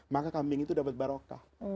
maka kambing itu dapat barokah